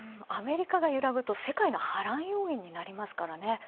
アメリカが揺らぐと世界の波乱要因になりますからね